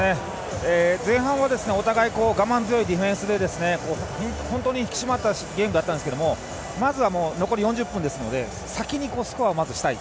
前半はお互い我慢強いディフェンスで本当に引き締まったゲームだったんですがまずは、残り４０分ですので先にスコアをしたい。